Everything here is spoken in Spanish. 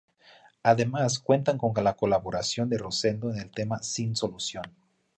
Además cuentan con la colaboración de Rosendo en el tema "Sin solución".